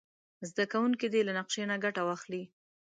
زده کوونکي دې له نقشې نه ګټه واخلي.